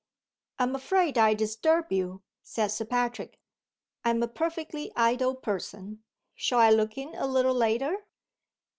"I am afraid I disturb you," said Sir Patrick. "I am a perfectly idle person. Shall I look in a little later?"